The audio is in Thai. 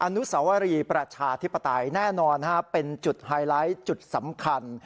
อนุสวรีประชาธิปไตยแน่นอนเป็นจุดไฮไลท์จุดสำคัญ